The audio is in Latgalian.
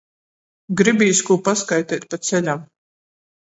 Gribīs kū paskaiteit pa ceļam.